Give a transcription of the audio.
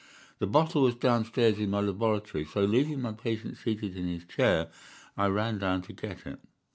The bottle was downstairs in my laboratory, so leaving my patient seated in his chair, I ran down to get it.